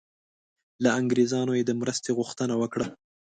له انګریزانو یې د مرستې غوښتنه وکړه.